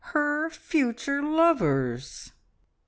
Her future lovers!"